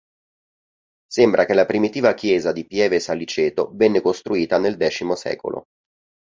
Sembra che la primitiva chiesa di Pieve Saliceto venne costruita nel X secolo.